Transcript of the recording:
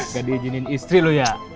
gak diijinin istri lu ya